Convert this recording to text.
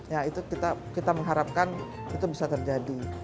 ya itu kita mengharapkan itu bisa terjadi